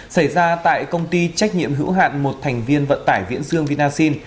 xảy ra tại công ty trách nhiệm hữu hạn một thành viên vận tải viễn dương vinasin